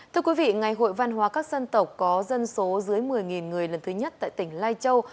thưa quý vị ngày hội văn hóa các dân tộc có dân số dưới một mươi người lần thứ nhất tại tỉnh lai châu